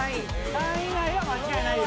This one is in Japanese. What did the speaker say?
３位以内は間違いないよ。